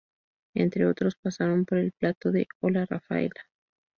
Entre otros pasaron por el plató de "¡Hola Raffaella!